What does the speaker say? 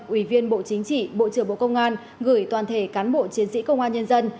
ủy viên bộ chính trị bộ trưởng bộ công an gửi toàn thể cán bộ chiến sĩ công an nhân dân